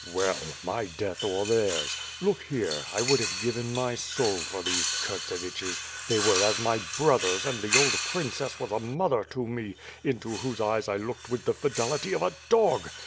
"Well! my death or theirs. Look here, I would have given my soul for these Kurtseviches. They were as my brothers and the old princess was a mother to me, into whose eyes I looked with the fidelity of a dog!